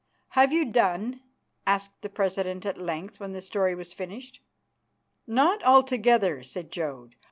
"Have you done?" asked the president at length when the story was finished. "Not altogether," said Jodd.